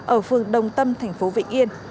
ở phường đồng tâm thành phố vịnh yên